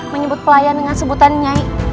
menyebut pelayan dengan sebutan nyai